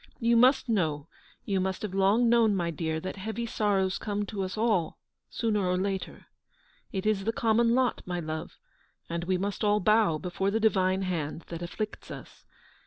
You must know, you must have long known, my dear, that heavy sorrows come to us all, sooner or later. It is the common lot, my love, and we must all bow before the Divine hand that afflicts us.